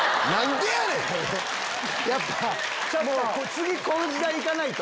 次この時代いかないと。